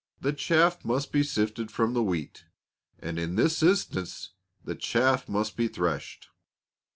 The chaff must be sifted from the wheat, and in this instance the chaff must be threshed.